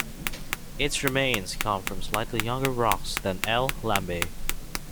Its remains come from slightly younger rocks than "L. lambei".